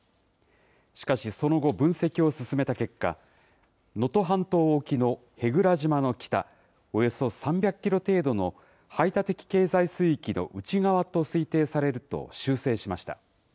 しかしその後、分析を進めた結果、能登半島沖の舳倉島の北、およそ３００キロ程度の排他的経済水域の内側と推定されると修正しました。